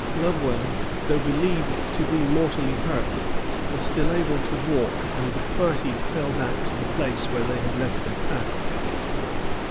Lovewell, though believed to be mortally hurt, was still able to walk, and the party fell back to the place where they had left their packs.